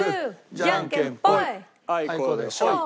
じゃんけんぽい。